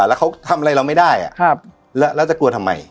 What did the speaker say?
แล้วเขาทำอะไรเราไม่ได้อ่ะครับแล้วแล้วจะกลัวทำไม